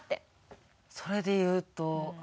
それでいうと。